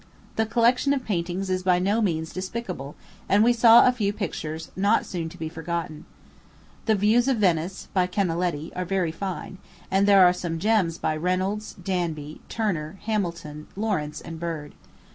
The collection of paintings is by no means despicable, and we saw a few pictures not soon to be forgotten. The Views of Venice, by Canaletti, are very fine; and there are some gems by Reynolds, Danby, Turner, Hamilton, Lawrence, and Bird.